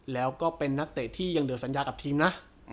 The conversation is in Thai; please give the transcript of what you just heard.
แล้วก็เป็นนักเตะที่ยังเหลือสัญญากับทีมนะ